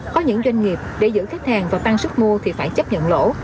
có những doanh nghiệp để giữ khách hàng và tăng sức mua thì phải chấp nhận lỗ